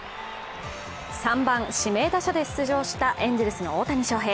３番・指名打者で出場したエンゼルスの大谷翔平。